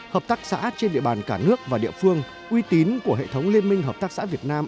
hợp tác xã trên địa bàn cả nước và địa phương uy tín của hệ thống liên minh hợp tác xã việt nam